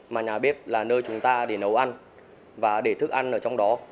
mà nhà bếp là nơi chúng ta để nấu ăn và để thức ăn ở trong đó